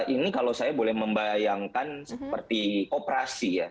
ini kalau saya boleh membayangkan seperti operasi ya